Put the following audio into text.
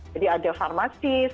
jadi ada farmasis